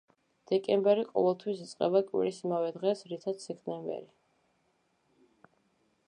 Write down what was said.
დეკემბერი ყოველთვის იწყება კვირის იმავე დღეს, რითაც სექტემბერი.